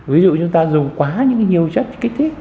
ví dụ như ta dùng quá nhiều chất kích thích